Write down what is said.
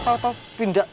tau tau tau tidak